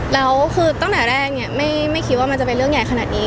แล้วตั้งแต่แรกไม่คิดว่าจะเป็นเรื่องใหญ่ขนาดนี้